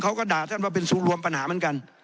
เขาก็ด่าท่านว่าเป็นศูนย์รวมปัญหาเหมือนกัน